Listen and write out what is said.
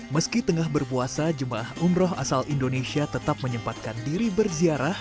meski tengah berpuasa jemaah umroh asal indonesia tetap menyempatkan diri berziarah